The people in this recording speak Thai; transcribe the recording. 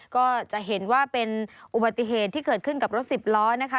ก็จะเห็นว่าเป็นอุบัติเหตุที่เกิดขึ้นกับรถสิบล้อนะคะ